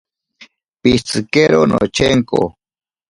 Pishitsikero nochenko.